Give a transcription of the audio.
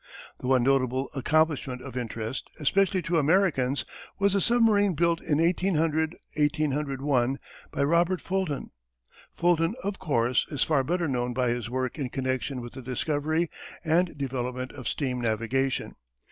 The one notable accomplishment of interest, especially to Americans, was the submarine built in 1800 01 by Robert Fulton. Fulton, of course, is far better known by his work in connection with the discovery and development of steam navigation.